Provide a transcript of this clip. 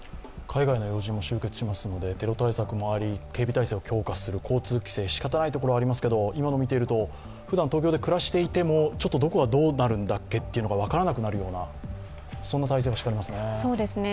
海外の要人も集結しますのでテロ対策もあり、警備体制を強化する、交通規制、しかたないところありますけど、今のを見ているとふだん東京で暮らしていても、ちょっとどこがどうなるんだっけというのが分からなくなるようなそんな体制が敷かれますね。